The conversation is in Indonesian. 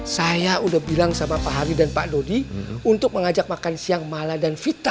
saya udah bilang sama pak hari dan pak dodi untuk mengajak makan siang mala dan vita